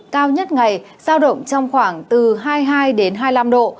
cao nhất ngày sao động trong khoảng từ hai mươi hai đến hai mươi năm độ